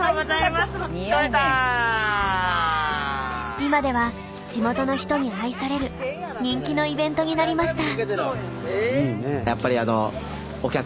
今では地元の人に愛される人気のイベントになりました。